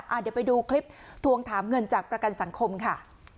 เดี๋ยวไปดูคลิปทวงถามเงินจากประกันสังคมค่ะ